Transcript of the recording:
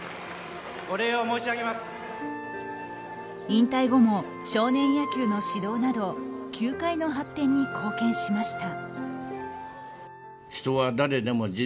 引退後も少年野球の指導など球界の発展に貢献しました。